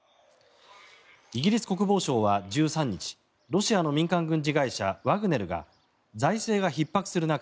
イギリス国防省は１３日ロシアの民間軍事会社ワグネルが財政がひっ迫する中